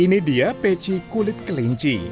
ini dia peci kulit kelinci